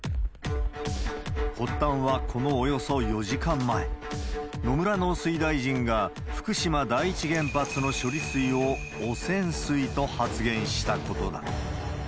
発端は、このおよそ４時間前、野村農水大臣が福島第一原発の処理水を、汚染水と発言したことだ。